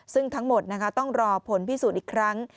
ซึ่งทั้งหมดต้องรอผลพิสูจน์อีกครั้ง